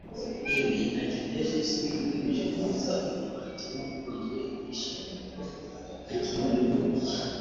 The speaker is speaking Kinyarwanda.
Ibi ntacyo byaje bisa n’ibigamije kubuza uyu muhanzi n’umukunzi we ibyishimo kuko bakiri muri buki